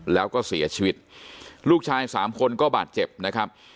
แล้วก็เสียชีวิตลูกชายสามคนก็บาดเจ็บนะครับ